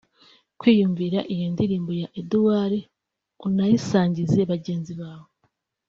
kwiyumvira iyo ndirimbo ya Edouardna unayisangize bagenzi zawe